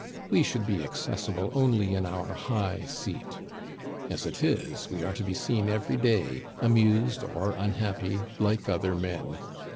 We should be accessible only in our high seat. As it is, we are to be seen every day, amused or unhappy, like other men.